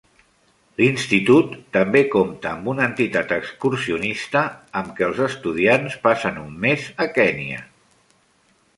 L'institut també compta amb una entitat excursionista, amb què els estudiants passen un mes a Kènia.